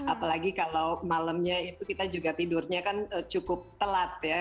apalagi kalau malamnya itu kita juga tidurnya kan cukup telat ya